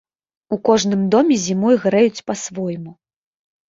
У кожным доме зімой грэюць па-свойму.